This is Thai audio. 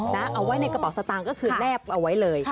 เอาไว้ในกระเป๋าสตางค์ก็คือแลบเอาไว้เลย